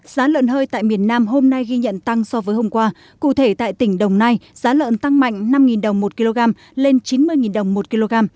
giá lợn hơi tại miền nam hôm nay ghi nhận tăng so với hôm qua cụ thể tại tỉnh đồng nai giá lợn tăng mạnh năm đồng một kg lên chín mươi đồng một kg